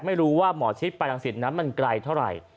ไม่รู้ว่าหมอชิดไปลังสิตนั้นมันไกลเท่าไหร่